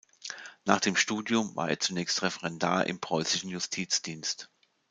Nach dem Studium war er zunächst Referendar im preußischen Justizdienst.